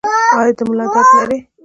ایا د ملا درد لرئ؟